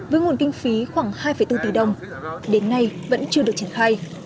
với nguồn kinh phí khoảng hai bốn tỷ đồng đến nay vẫn chưa được triển khai